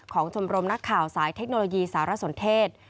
ชมรมนักข่าวสายเทคโนโลยีสารสนเทศ